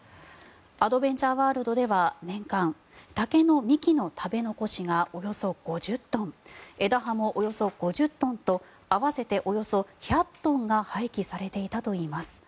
アドベンチャーワールドでは年間、竹の幹の食べ残しがおよそ５０トン枝葉もおよそ５０トンと合わせておよそ１００トンが廃棄されていたといいます。